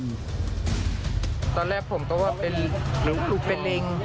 ตอนแรกผมต้องว่าเป็นลูกหรือเป็นลิง